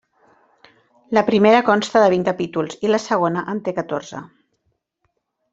La primera consta de vint capítols i la segona en té catorze.